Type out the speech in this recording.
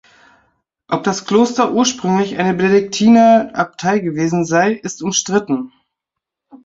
Ob das Kloster ursprünglich eine Benediktiner-Abtei gewesen sei, ist umstritten.